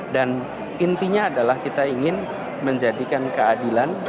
dan intinya adalah kita ingin menjadikan keadilan